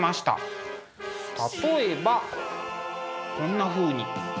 例えばこんなふうに。